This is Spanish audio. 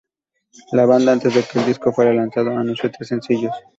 La banda antes de que el disco fuera lanzado, anunció tres sencillos.